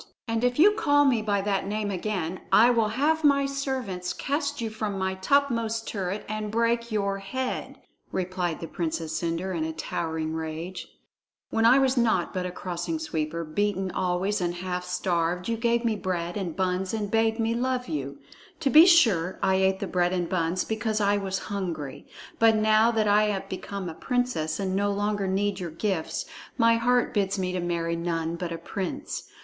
"And if you call me by that name again, I will have my servants cast you from my topmost turret and break your head," replied the Princess Cendre in a towering rage. "When I was naught but a Crossing Sweeper, beaten always and half starved, you gave me bread and buns and bade me love you. To be sure, I ate the bread and buns because I was hungry. But now that I am become a princess and no longer need your gifts, my heart bids me to marry none but a prince.